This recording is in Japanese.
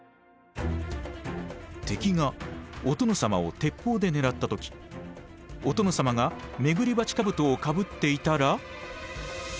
敵がお殿様を鉄砲で狙った時お殿様が廻り鉢兜をかぶっていたら。